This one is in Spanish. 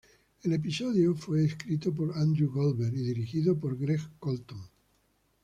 El episodio fue escrito por Andrew Goldberg y dirigido por Greg Colton.